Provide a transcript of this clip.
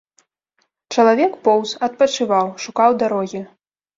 Чалавек поўз, адпачываў, шукаў дарогі.